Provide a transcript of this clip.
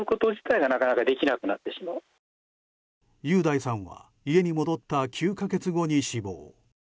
雄大さんは家に戻った９か月後に死亡。